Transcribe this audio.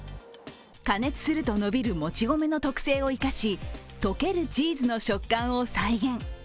加熱すると伸びるもち米の特性を生かし溶けるチーズの食感を再現。